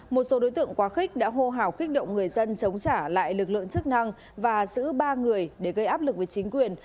một số đối tượng quá khích đã hô hào kích động người dân chống trả lại lực lượng chức năng và giữ ba người để gây áp lực với chính quyền